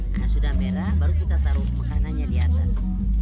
nah sudah merah baru kita taruh makanannya di atas